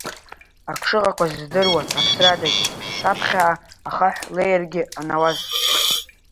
Ак шыҟақәаз здыруан аԥсрадагь, саԥхьаҟа ахаҳә леиргь анауаз.